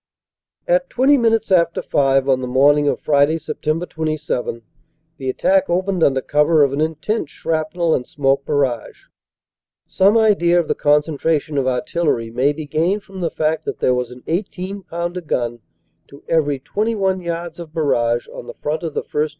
"At twenty minutes after five on the morning of Friday, Sept. 27, the attack opened under cover of an intense shrapnel and smoke barrage. Some idea of the concentration of artil lery may be gained from the fact that there was an 18 pounder gun to every 21 yards of barrage on the front of the 1st.